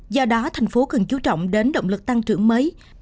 do đó tp hcm cần chú trọng đến động lực tăng trưởng mới